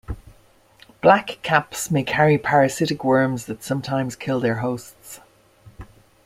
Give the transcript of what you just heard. Blackcaps may carry parasitic worms that sometimes kill their hosts.